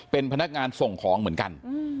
เป็นพนักงานส่งของเหมือนกัน